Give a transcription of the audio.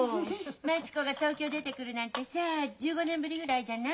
町子が東京出てくるなんてさ１５年ぶりぐらいじゃない？